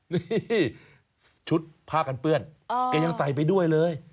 นี่ชุดผ้ากันเปื้อนแกยังใส่ไปด้วยเลย